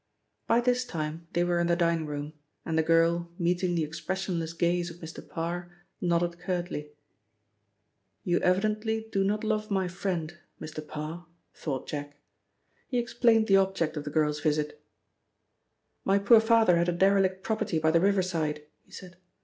By this time they were in the dining room, and the girl, meeting the expressionless gaze of Mr. Parr, nodded curtly. "You evidently do not love my friend, Mr. Parr," thought Jack. He explained the object of the girl's visit. "My poor father had a derelict property by the riverside," he said.